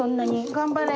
頑張れ！